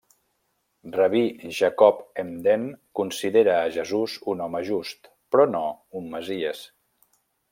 Rabí Jacob Emden considera a Jesús un home just, però no un Messies.